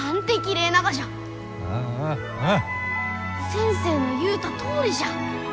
先生の言うたとおりじゃ！